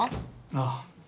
ああ。